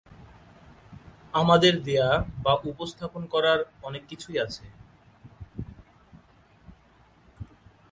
আমাদের দেয়া বা উপস্থাপন করার অনেক কিছুই আছে।